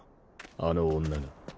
あの女が。